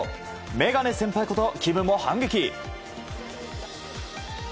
眼鏡先輩ことキムも反撃。